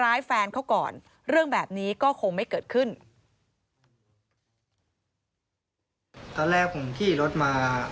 ก็ลุมแฟนผมอ่าแล้วตอนนั้นแฟนเรายืนอยู่คนเดียวด้วย